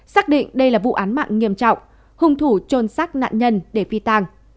xác định đây là vụ án mạng nghiêm trọng hung thủ trôn xác nạn nhân để phi tàng